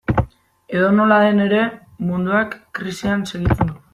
Edonola den ere, munduak krisian segitzen du.